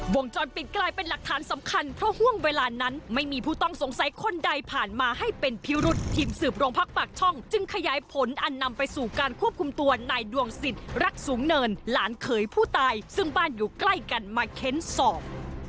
วงจรปิดกลายเป็นหลักฐานสำคัญเพราะห่วงเวลานั้นไม่มีผู้ต้องสงสัยคนใดผ่านมาให้เป็นพิรุษทีมสืบโรงพักปากช่องจึงขยายผลอันนำไปสู่การควบคุมตัวนายดวงสิทธิ์รักสูงเนินหลานเขยผู้ตายซึ่งบ้านอยู่ใกล้กันมาเค้นสอบ